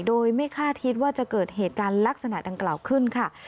โดยไม่คาดคิดว่าจะเกิดเหตุการณ์ลักษณะดังกล่าวขึ้นค่ะ